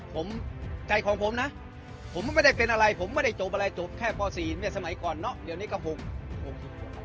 ผมใจของผมนะผมไม่ได้เป็นอะไรผมไม่ได้จบอะไรจบแค่ปสี่เนี่ยสมัยก่อนเนอะเดี๋ยวนี้ก็หกหก